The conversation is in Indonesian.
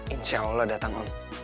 insyaallah datang om